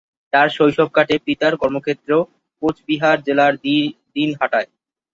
তার শৈশব কাটে পিতার কর্মক্ষেত্র কোচবিহার জেলার দিনহাটায়।